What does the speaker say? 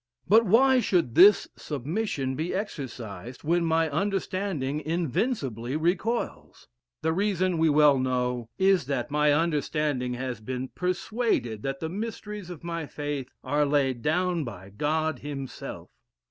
But why should this submission be exercised when my understanding invincibly recoils? The reason, we well know, is, that my understanding has been persuaded that the mysteries of my faith are laid down by God himself.